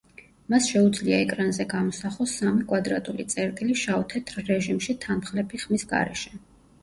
მას შეუძლია ეკრანზე გამოსახოს სამი კვადრატული წერტილი შავ-თეთრ რეჟიმში თანხლები ხმის გარეშე.